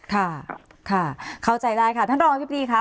ค่ะค่ะเข้าใจได้ค่ะท่านรองอธิบดีค่ะ